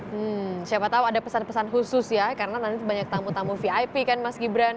hmm siapa tahu ada pesan pesan khusus ya karena nanti banyak tamu tamu vip kan mas gibran